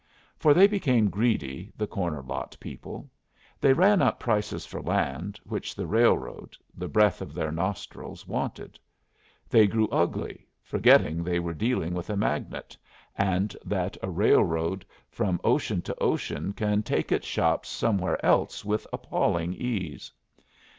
For they became greedy, the corner lot people. They ran up prices for land which the railroad, the breath of their nostrils, wanted. They grew ugly, forgetting they were dealing with a magnate, and that a railroad from ocean to ocean can take its shops somewhere else with appalling ease.